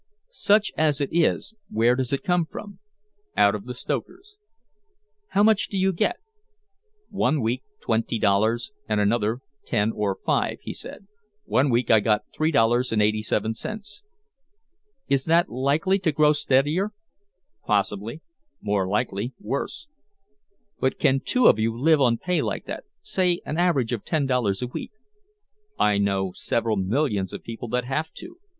"Such as it is, where does it come from?" "Out of the stokers." "How much do you get?" "One week twenty dollars and another ten or five," he said. "One week I got three dollars and eighty seven cents." "Is that likely to grow steadier?" "Possibly more likely worse." "But can two of you live on pay like that say an average of ten dollars a week?" "I know several millions of people that have to.